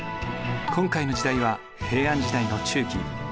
今回の時代は平安時代の中期。